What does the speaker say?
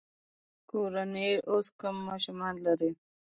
کورنۍ اوس کم ماشومان لري.